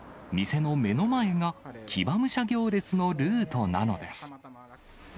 店の目の前が、騎馬武者行列のルートなのです。